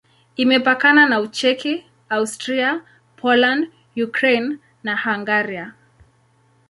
Imepakana na Ucheki, Austria, Poland, Ukraine na Hungaria.